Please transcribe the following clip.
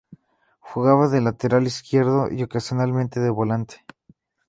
Jugaba de lateral izquierdo y ocasionalmente de volante.